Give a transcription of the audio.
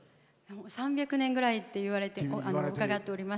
３００年ぐらいって伺っております。